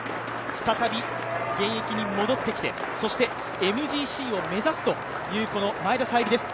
再び、現役に戻ってきて、そしてＭＧＣを目指すという前田彩里です。